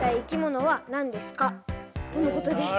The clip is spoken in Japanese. とのことです。